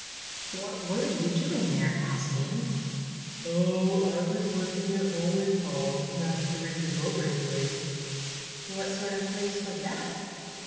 "What were you doing there?" asked Ian. "Oh, I was working at Holwick Hall, Master Richard Mowbray's place." "What sort of a place was that?"